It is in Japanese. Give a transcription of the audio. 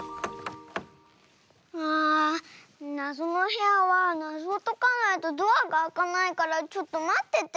あなぞのへやはなぞをとかないとドアがあかないからちょっとまってて。